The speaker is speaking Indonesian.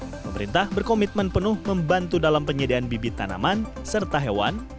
pemerintah berkomitmen penuh membantu dalam penyediaan bibit tanaman serta hewan